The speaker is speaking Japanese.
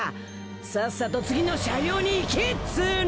さっさと次の車両に行けっつうの！